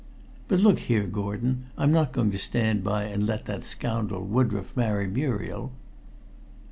But look here, Gordon, I'm not going to stand by and let that scoundrel Woodroffe marry Muriel."